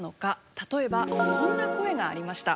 例えばこんな声がありました。